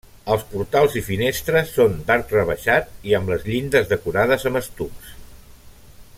Els portals i finestres són d'arc rebaixat i amb les llindes decorades amb estucs.